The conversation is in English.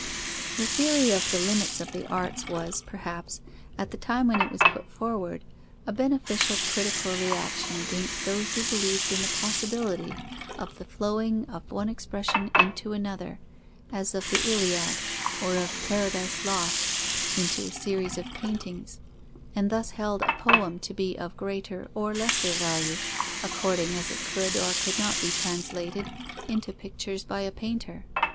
The theory of the limits of the arts was, perhaps, at the time when it was put forward, a beneficial critical reaction against those who believed in the possibility of the flowing of one expression into another, as of the Iliad or of Paradise Lost into a series of paintings, and thus held a poem to be of greater or lesser value, according as it could or could not be translated into pictures by a painter.